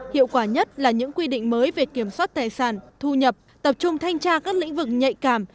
hiệu quả nhất là những quy định mới về kiểm soát tài sản thu nhập tập trung thanh tra các lĩnh vực nhạy cảm